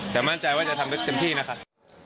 แต่มั่นใจว่าจะทำเต็มที่นะครับ